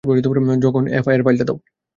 জগন, FIR ফাইলটা দাও।